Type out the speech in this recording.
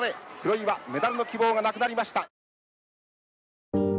黒岩メダルの希望がなくなりました。